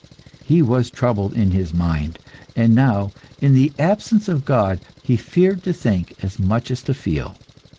He was troubled in his mind, and now, in the absence of God he feared to think as much as to feel.